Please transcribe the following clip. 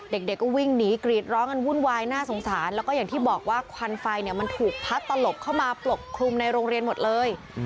เด็กก็วิ่งหนีกรีดร้องกันวุ่นวายน่าสงสารแล้วก็อย่างที่บอกว่าควันไฟเนี่ยมันถูกพัดตลบเข้ามาปกคลุมในโรงเรียนหมดเลย